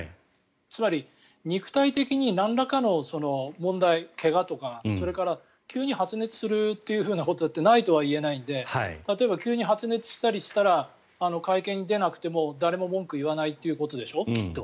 つまり、肉体的になんらかの問題怪我とかそれから急に発熱するということだってないとはいえないので例えば急に発熱したりしたら会見に出なくても誰も文句言わないということでしょ、きっと。